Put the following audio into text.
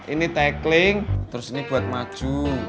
ini tackling terus ini buat maju